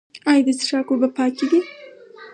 آیا د څښاک اوبه پاکې دي؟